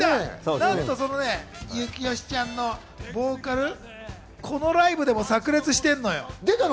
なんと、その征悦ちゃんのボーカル、このライブでも炸裂して出たの？